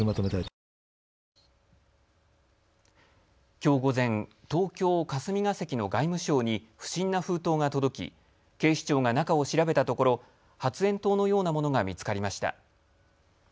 きょう午前、東京霞が関の外務省に不審な封筒が届き警視庁が中を調べたところ発炎筒のようなものが見つかりました。